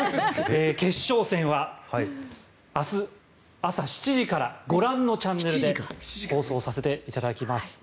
決勝戦は明日朝７時からご覧のチャンネルで放送させていただきます。